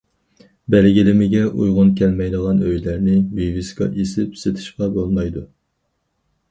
بەلگىلىمىگە ئۇيغۇن كەلمەيدىغان ئۆيلەرنى ۋىۋىسكا ئېسىپ سېتىشقا بولمايدۇ.